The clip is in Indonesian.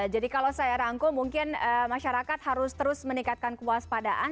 jadi kalau saya rangkul mungkin masyarakat harus terus meningkatkan kewaspadaan